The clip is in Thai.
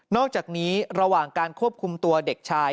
อกจากนี้ระหว่างการควบคุมตัวเด็กชาย